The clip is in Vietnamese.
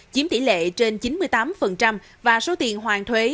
chiếm tỷ lệ trên chín mươi tám và số tiền hoàn thuế